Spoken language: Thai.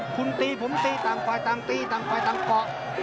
คุณตีผมตีต่างฝ่ายต่างตีต่างฝ่ายต่างเกาะ